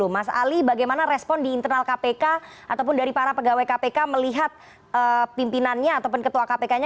mas ali bagaimana respon di internal kpk ataupun dari para pegawai kpk melihat pimpinannya atau penketua kpknya